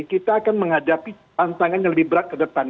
kita akan menghadapi tantangan yang lebih berat ke depan